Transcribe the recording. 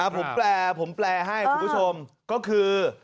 ผมแปลให้คุณผู้ชมก็คือ